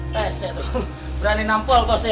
teseh tuh berani nampol bos ya